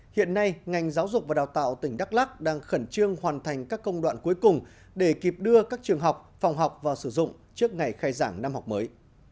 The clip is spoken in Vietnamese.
hiện nay ngành giáo dục và đào tạo tỉnh đắk lắc đang khẩn trương hoàn thành các công đoạn cuối cùng để kịp đưa các trường học phòng học vào sử dụng trước ngày khai giảng năm học mới